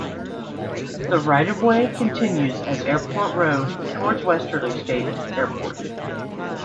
The right-of-way continues as Airport Road towards Westerly State Airport.